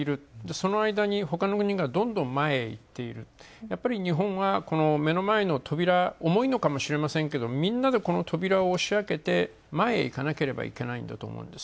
その間にほかの国がどんどん前へ行っているやっぱり日本は目の前の扉、重いのかもしれませんけどみんなで、この扉を押し開けて前へ行かなければいけないんだと思います。